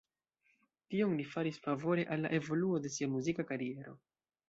Tion li faris favore al la evoluo de sia muzika kariero.